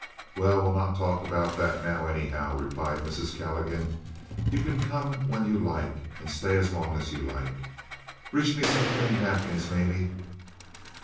"Well, we'll not talk about that now, anyhow," replied Mrs. Calligan. "You can come when you like and stay as long as you like. Reach me some clean napkins, Mamie."